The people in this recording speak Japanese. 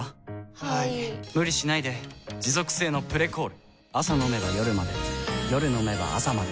はい・・・無理しないで持続性の「プレコール」朝飲めば夜まで夜飲めば朝まで